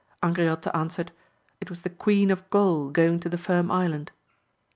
Angriote answered, It was the Queen of Gaul going to the Firm Island.